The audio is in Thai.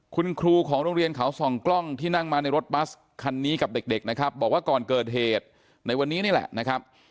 คุณครูของโรงเรียนเขาส่องกล้องที่นั่งมาในรถบัสคันนี้กับเด็กนะครับบอกว่าก่อนเกิดเหตุในวันนี้นี่แหละนะครับ